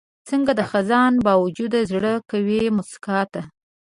څنګه د خزان باوجود زړه کوي موسکا ته؟